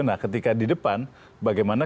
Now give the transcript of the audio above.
nah ketika di depan bagaimana